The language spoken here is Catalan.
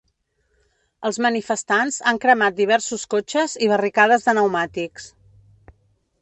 Els manifestants han cremat diversos cotxes i barricades de neumàtics.